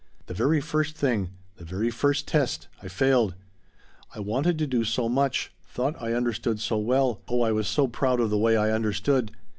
"The very first thing the very first test I failed. I wanted to do so much thought I understood so well oh I was so proud of the way I understood!